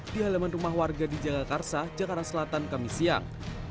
di halaman rumah warga di jagakarsa jakarta selatan kami siang